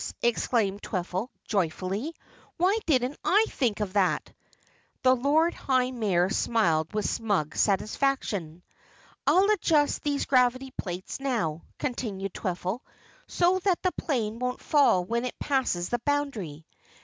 exclaimed Twiffle joyfully. "Why didn't I think of that?" The Lord High Mayor smiled with smug satisfaction. "I'll adjust these gravity plates now," continued Twiffle, "so the plane won't fall when it passes the boundary."